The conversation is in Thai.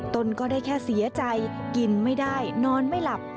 ตนก็ได้แค่เสียใจกินไม่ได้นอนไม่หลับ